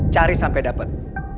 cari sampe dapet